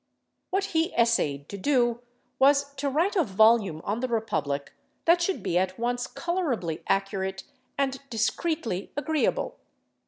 What he essayed to do was to write a volume on the republic that should be at once colorably accurate and discreetly agreeable.